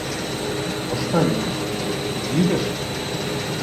Востаннє кажу тобі — їдеш?